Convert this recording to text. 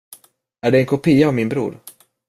Är det en kopia av min bror?